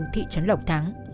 thị trấn lộc thắng